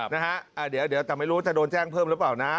นะฮะเดี๋ยวแต่ไม่รู้จะโดนแจ้งเพิ่มหรือเปล่านะ